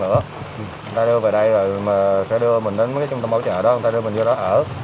người ta đưa về đây rồi mà sẽ đưa mình đến mấy cái trung tâm bảo trợ đó người ta đưa mình vô đó ở